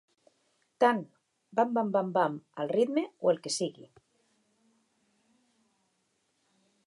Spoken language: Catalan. Tant "bam-bam-bam-bam" al ritme o el que sigui.